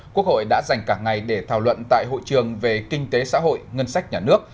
quốc hội đã dành cả ngày để thảo luận tại hội trường về kinh tế xã hội ngân sách nhà nước